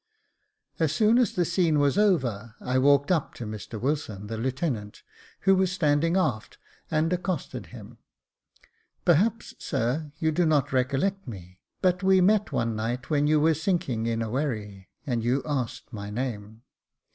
As soon as the scene was over, I walked up to Mr Wilson, the lieutenant, who was standing aft, and accosted him. " Perhaps, sir, you do not recollect me ; but we met one night when you were sinking in a wherry, and you asked my name."